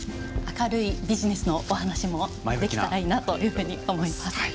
明るいビジネスのお話もできたらいいなというふうに思います。